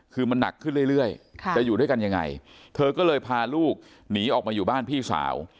คือมันหนักขึ้นเรื่อยจะอยู่ด้วยกันยังไงเธอก็เลยพาลูกหนีออกมาอยู่บ้านพี่สาว